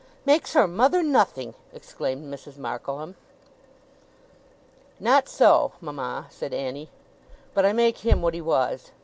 'Makes her mother nothing!' exclaimed Mrs. Markleham. 'Not so mama,' said Annie; 'but I make him what he was.